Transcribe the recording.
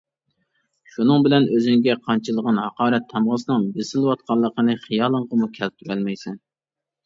شۇنىڭ بىلەن ئۆزۈڭگە قانچىلىغان ھاقارەت تامغىسىنىڭ بېسىلىۋاتقانلىقىنى خىيالىڭغىمۇ كەلتۈرەلمەيسەن.